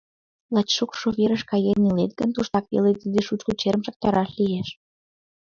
Лач шокшо верыш каен илет гын, туштак веле тиде шучко черым чактараш лиеш.